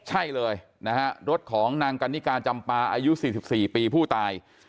ใช่เลยนะฮะรถของนางกันนิกาจำปาอายุ๔๔ปีผู้ตาย